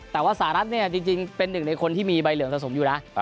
แต่ว่าสหรัฐเนี่ยจริงเป็นหนึ่งในคนที่มีใบเหลืองสะสมอยู่นะ